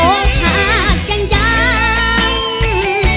โอ้เคาะจังจัง